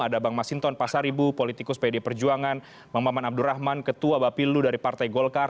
ada bang masinton pasaribu politikus pd perjuangan bang maman abdurrahman ketua bapilu dari partai golkar